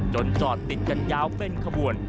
จอดติดกันยาวเป็นขบวน